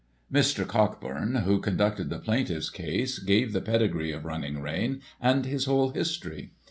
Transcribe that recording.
Mr. Cockburn, who conducted the plaintiff's case, gave the pedigree of Running Rein, and his whole history.